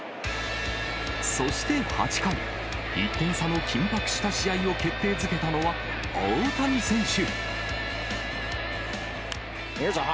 そして８回、１点差の緊迫した試合を決定づけたのは大谷選手。